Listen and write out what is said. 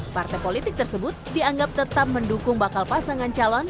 partai politik tersebut dianggap tetap mendukung bakal pasangan calon